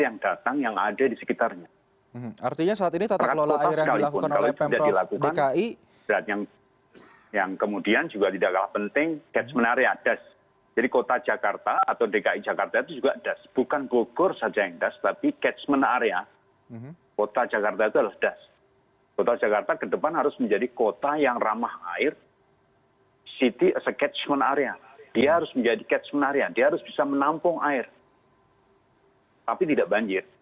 masyarakat harus bertanggung jawab juga terhadap banjir